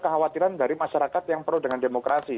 kekhawatiran dari masyarakat yang pro dengan demokrasi